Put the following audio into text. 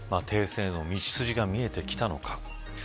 停戦への道筋が見えてきたのか。